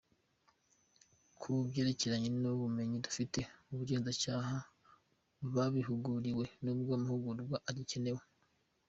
Ku byerekeranye n’ubumenyi, dufite abagenzacyaha babihuguriwe, n’ubwo amahugurwa agikenewe.